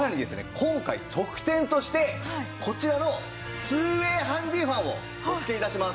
今回特典としてこちらの２ＷＡＹハンディーファンをお付け致します。